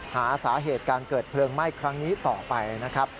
หาสาเหตุการเกิดเพลิงไหม้ครั้งนี้ต่อไปนะครับ